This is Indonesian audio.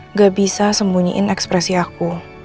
nggak bisa sembunyiin ekspresi aku